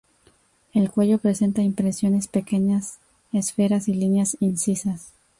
El cuello presenta impresiones, pequeñas esferas y líneas incisas.